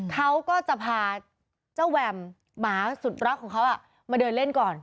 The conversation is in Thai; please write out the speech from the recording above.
เขาก็จะพาเจ้าแวมหมาสุดรักของเขามาเดินเล่นก่อน